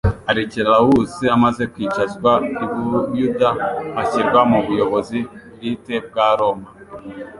Arikelawusi amaze kwicazwa, i Buyuda hashyirwa mu buyobozi bwite bwa Roma.